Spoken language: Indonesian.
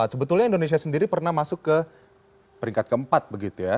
sebetulnya indonesia sendiri pernah masuk ke peringkat keempat begitu ya